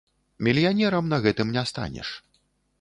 Мільянерам на гэтым не станеш.